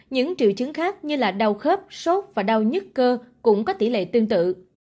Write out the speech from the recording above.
những triệu chứng khác như là đau khớp sốt và đau nhứt cơ cũng có tỷ lệ tương tự